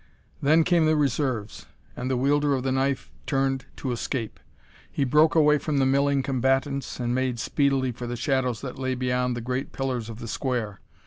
Then came the reserves, and the wielder of the knife turned to escape. He broke away from the milling combatants and made speedily for the shadows that lay beyond the great pillars of the Square.